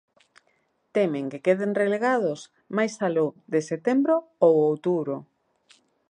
Temen que queden relegados máis aló de setembro ou outubro.